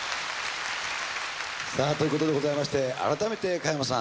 さあということでございまして改めて加山さん